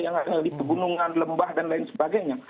yang ada di pegunungan lembah dan lain sebagainya